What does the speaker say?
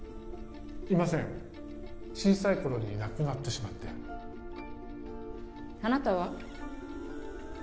いません小さいころに亡くなってしまってあなたは？